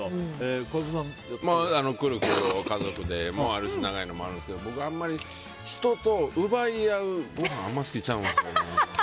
くるくる、家族でもあるし長いのもあるんですけど僕、あんまり人と奪い合うあんま好きちゃうんですよね。